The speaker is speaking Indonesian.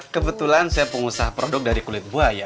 kebetulan saya pengusaha produk dari kulit buaya